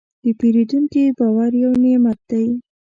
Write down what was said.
د پیرودونکي باور یو نعمت دی.